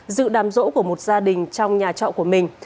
giữ đàm rỗ của một gia đình trong nhà trọ của mình